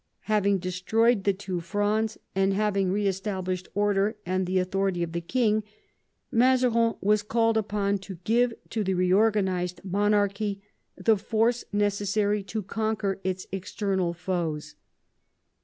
Having destroyed the two Frondes, and having re established order and the authority of the king, Mazarin was called upon to give to the reorganised monarchy the force necessary to conquer its external foes.